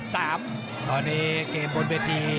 ตอนนี้เกมบนเวที